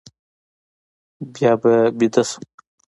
بیا به ویده شم.